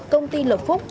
công ty lộc phúc